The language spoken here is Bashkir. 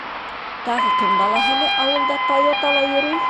Тағы кем балаһы әле ауылда «Тойота»ла йөрөй?